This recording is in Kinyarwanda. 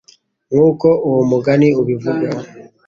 nk uko uwo mugani ubivuga